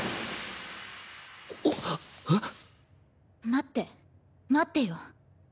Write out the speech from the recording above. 待って待ってよ。